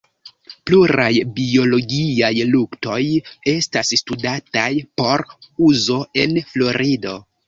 Pluraj biologiaj luktoj estas studataj por uzo en Florido.